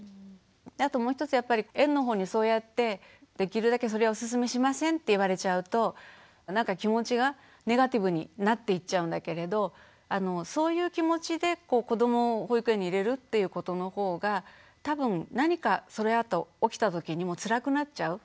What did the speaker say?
あともう一つやっぱり園の方にそうやってできるだけそれはおすすめしませんって言われちゃうとなんか気持ちがネガティブになっていっちゃうんだけれどそういう気持ちで子どもを保育園に入れるっていうことの方が多分何かそのあと起きた時にもつらくなっちゃう。